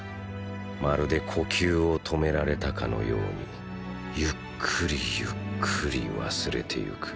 まるで呼吸を止められたかのようにゆっくりゆっくり忘れていく。